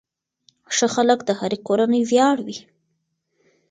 ښه خلک د هرې کورنۍ ویاړ وي.